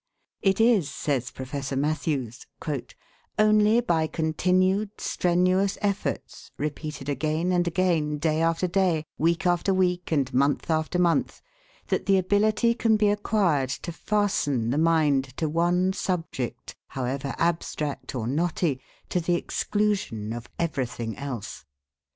"It is," says Professor Mathews, "only by continued, strenuous efforts, repeated again and again, day after day, week after week, and month after month, that the ability can be acquired to fasten the mind to one subject, however abstract or knotty, to the exclusion of everything else.